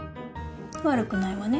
悪くないわね。